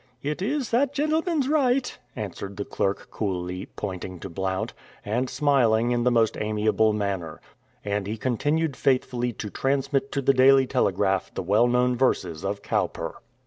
"It is that gentleman's right," answered the clerk coolly, pointing to Blount, and smiling in the most amiable manner. And he continued faithfully to transmit to the Daily Telegraph the well known verses of Cowper.